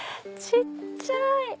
小っちゃい！